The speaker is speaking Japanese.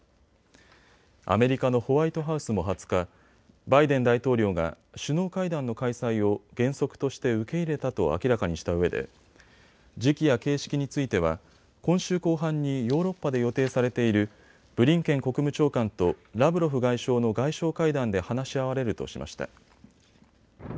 アメリカのホワイトハウスも２０日、バイデン大統領が首脳会談の開催を原則として受け入れたと明らかにしたうえで時期や形式については今週後半にヨーロッパで予定されているブリンケン国務長官とラブロフ外相の外相会談で話し合われるとしました。